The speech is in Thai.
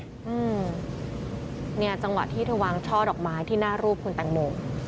อืมเนี่ยจังหวะที่เธอวางช่อดอกไม้ที่หน้ารูปคุณแตงโม